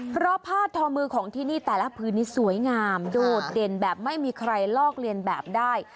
เพราะผ้าทอมือของที่นี่แต่ละพื้นนี้สวยงามโดดเด่นแบบไม่มีใครลอกเลียนแบบได้